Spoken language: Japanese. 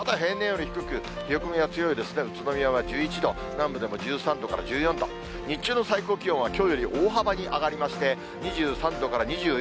宇都宮は１１度、南部でも１３度から１４度、日中の最高気温はきょうより大幅に上がりまして、２３度から２４度。